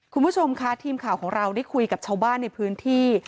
คุณผู้ชมค่ะทีมข่าวของเราได้คุยกับชาวบ้านในพื้นที่